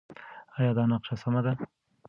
ایا دا نقشه سمه ده؟